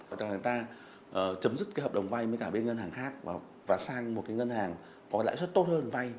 cho nên chúng ta chấm dứt hợp đồng vai với cả bên ngân hàng khác và sang một ngân hàng có lãi suất tốt hơn vai